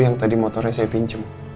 yang tadi motornya saya pinjem